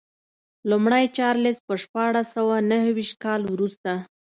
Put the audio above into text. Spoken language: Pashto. لومړی چارلېز په شپاړس سوه نهویشت کال وروسته.